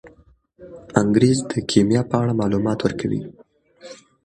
انګریز د کیمیا په اړه معلومات ورکوي.